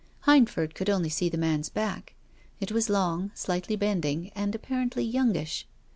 Hindford could only see the man's back. It was long, slightly bending, and apparently youngish.